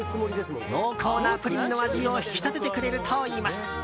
濃厚なプリンの味を引き立ててくれるといいます。